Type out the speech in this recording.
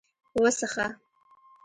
_وڅښه!